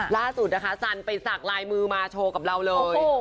ล่าสุดนะคะสันไปสักลายมือมาโชว์กับเราเลย